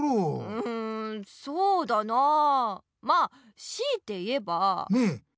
うんそうだなあまあ強いて言えば。